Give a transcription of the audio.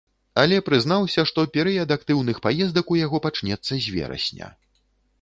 Але прызнаўся, што перыяд актыўных паездак у яго пачнецца з верасня.